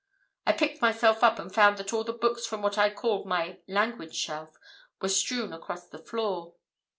I picked myself up and found that all the books from what I called my 'language shelf' were strewn across the floor.